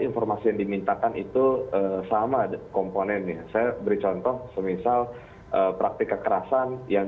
informasi yang dimintakan itu sama komponennya saya beri contoh semisal praktik kekerasan yang